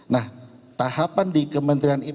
nah tahapan di kementerian itu